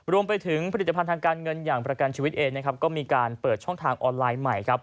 รวมไปถึงผลิตภัณฑ์ทางการเงินอย่างประกันชีวิตเองนะครับก็มีการเปิดช่องทางออนไลน์ใหม่ครับ